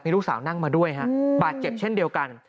ลูกสาวนั่งมาด้วยฮะบาดเจ็บเช่นเดียวกัน